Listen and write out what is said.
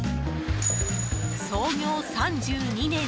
創業３２年。